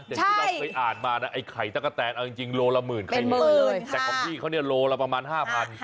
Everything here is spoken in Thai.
อย่างที่เราเคยอ่านมานะไอ้ไข่ตะกะแตนเอาจริงโลละหมื่นใครหมื่นแต่ของพี่เขาเนี่ยโลละประมาณ๕๐๐บาท